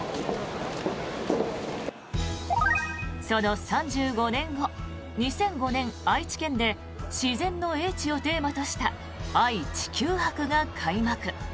その３５年後２００５年、愛知県で「自然の叡智」をテーマとした愛・地球博が開幕。